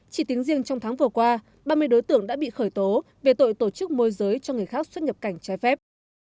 chỉ tính riêng trong tháng vừa qua ba mươi đối tượng đã bị khởi tố về tội tổ chức môi giới cho người khác xuất nhập cảnh trái phép